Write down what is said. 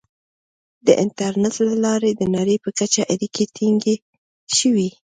• د انټرنیټ له لارې د نړۍ په کچه اړیکې ټینګې شوې.